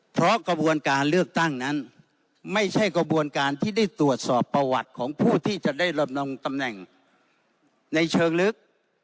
เพราะกระบวนการเลือกตั้งนั้นไม่ใช่กระบวนการที่ได้ตรวจสอบประวัติของผู้ที่จะได้ดำรงตำแหน่งในเชิงลึก